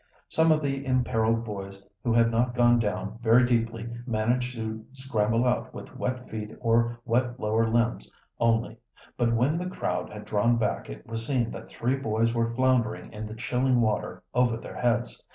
Some of the imperiled boys who had not gone down very deeply managed to scramble out with wet feet or wet lower limbs only, but when the crowd had drawn back it was seen that three boys were floundering in the chilling water over their heads.